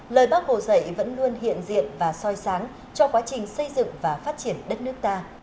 lời bác hồ dạy vẫn luôn hiện diện và soi sáng cho quá trình xây dựng và phát triển đất nước ta